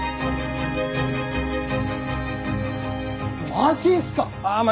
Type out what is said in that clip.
マジっすか！？